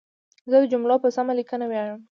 زه د جملو په سمه لیکنه ویاړم.